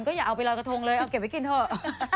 ก็อย่าเอาไปลอยกระทงเลยเอาเก็บไว้กินเถอะ